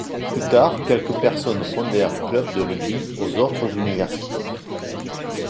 Plus tard quelques personnes fondèrent clubs de rugby aux autres universités.